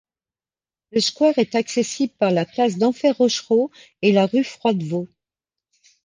Le square est accessible par la place Denfert-Rochereau et la rue Froidevaux.